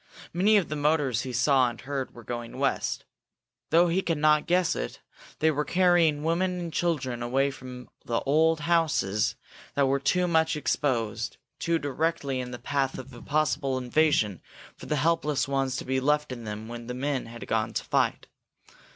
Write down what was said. Many of the motors he saw and heard were going west. Though he could not guess it, they were carrying women and children away from the old houses that were too much exposed, too directly in the path of a possible invasion for the helpless ones to be left in them when the men had gone to fight.